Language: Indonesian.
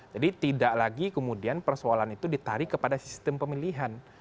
jadi tidak lagi kemudian persoalan itu ditarik kepada sistem pemilihan